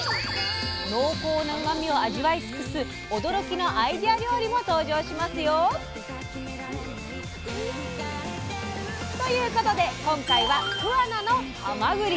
濃厚なうまみを味わい尽くす驚きのアイデア料理も登場しますよ。ということで今回は桑名のはまぐり！